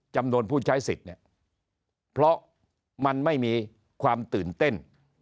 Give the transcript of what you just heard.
จำนวนผู้ใช้สิทธิ์เนี่ยเพราะมันไม่มีความตื่นเต้น